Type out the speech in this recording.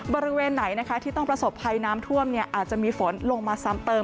บริเวณไหนที่ต้องประสบภัยน้ำท่วมอาจจะมีฝนลงมาซ้ำเติม